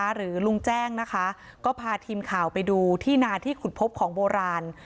หรือลุงแจ้งนะคะก็พาทีมข่าวไปดูที่นาที่ขุดพบของโบราณ